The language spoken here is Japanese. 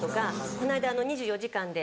この間『２４時間』で。